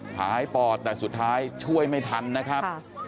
หายปอดแต่สุดท้ายช่วยไม่ทันนะครับ